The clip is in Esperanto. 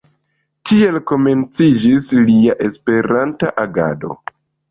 Tiel komenciĝis lia Esperanta agado.